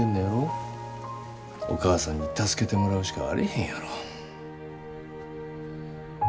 お義母さんに助けてもらうしかあれへんやろ。